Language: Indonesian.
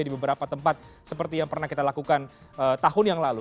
di beberapa tempat seperti yang pernah kita lakukan tahun yang lalu